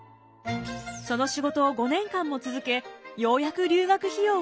その仕事を５年間も続けようやく留学費用を貯めました。